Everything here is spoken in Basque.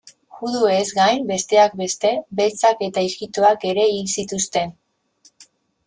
Juduez gain, besteak beste, beltzak eta ijitoak ere hil zituzten.